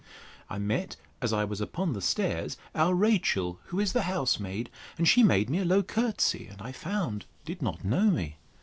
I met, as I was upon the stairs, our Rachel, who is the house maid; and she made me a low courtesy, and I found did not know me.